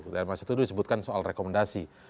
dalam ayat satu itu disebutkan soal rekomendasi